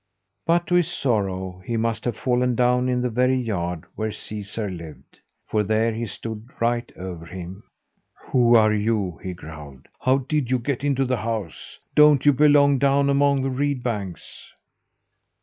But, to his sorrow, he must have fallen down in the very yard where Caesar lived, for there he stood right over him. "Who are you?" he growled. "How did you get into the house? Don't you belong down among the reed banks?"